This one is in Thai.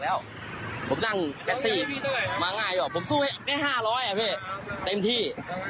เต็มที่